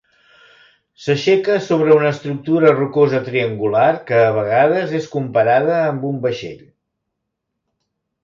S'aixeca sobre una estructura rocosa triangular que a vegades és comparada amb un vaixell.